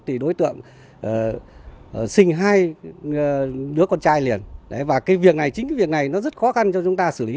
thì đối tượng sinh hai đứa con trai liền và cái việc này chính cái việc này nó rất khó khăn cho chúng ta xử lý